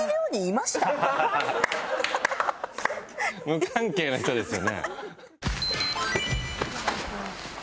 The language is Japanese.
無関係な人ですよね。